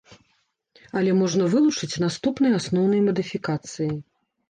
Але можна вылучыць наступныя асноўныя мадыфікацыі.